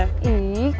kau aja colek colek